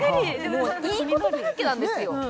もういいことだらけなんですよ